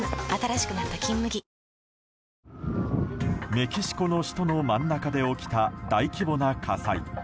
メキシコの首都の真ん中で起きた大規模な火災。